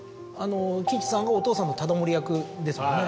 貴一さんがお父さんの忠盛役ですもんね。